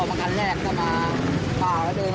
อ้าว